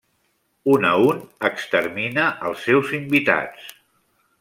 Un a un, extermina els seus invitats.